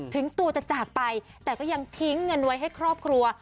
ถึงตัวจะจากไปแต่ก็ยังทิ้งเงินไว้ให้ครอบครัว